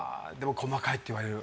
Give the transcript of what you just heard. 細かいって言われる。